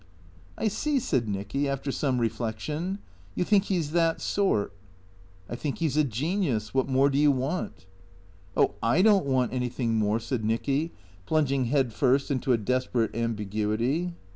" 1 see," said Nicky, after some reflection. " You think he 's that sort?" " I think he 's a genius. What more do you want ?"" Oh, / don't want anything more," said Nicky, plunging head first into a desperate ambiguity.